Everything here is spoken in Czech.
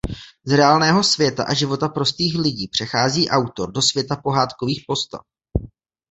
Z reálného světa a života prostých lidí přechází autor do světa pohádkových postav.